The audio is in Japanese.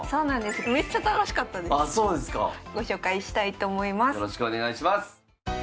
よろしくお願いします。